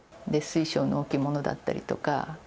水晶の置物だったりとか。